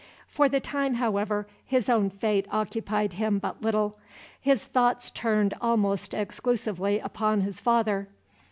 For the time, however, his own fate occupied him but little. His thoughts turned almost exclusively upon his father.